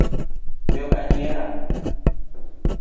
Joka nyiera.